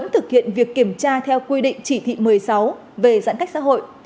để điều tra theo quy định chỉ thị một mươi sáu về giãn cách xã hội